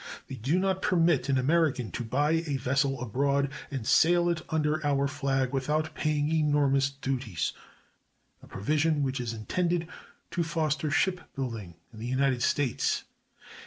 They do not permit an American to buy a vessel abroad and sail it under our flag without paying enormous duties; a provision which is intended to foster ship building in the United States.